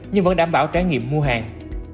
nhưng vẫn đảm bảo trải nghiệm mua hàng